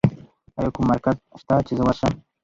ایا کوم مرکز شته چې زه ورشم؟